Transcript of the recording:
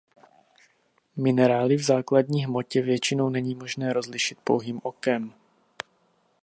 Minerály v základní hmotě většinou není možné rozlišit pouhým okem.